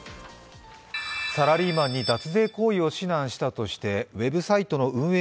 サラリーマンに脱税行為を指南したとしてウェブサイトの運営